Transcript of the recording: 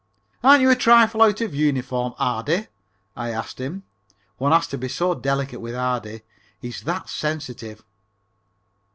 "Aren't you a trifle out of uniform, Ardy?" I asked him. One has to be so delicate with Ardy, he's that sensitive.